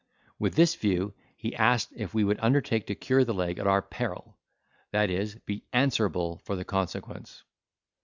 With this view, he asked if we would undertake to cure the leg at our peril: that is, be answerable for the consequence.